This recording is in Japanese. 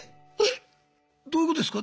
どういうことですか？